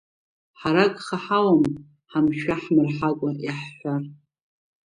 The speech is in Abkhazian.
Ҳара гха ҳауам ҳамшәа-ҳмырҳакәа иаҳҳәар…